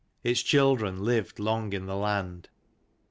Its children lived long in the land.